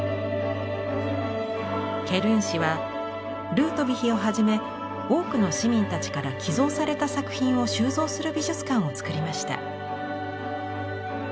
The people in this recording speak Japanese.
ケルン市はルートヴィヒをはじめ多くの市民たちから寄贈された作品を収蔵する美術館をつくりました。